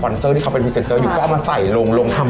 อย่างที่บอกของดีของอร่อยคุณภาพดีจริงนะฮะ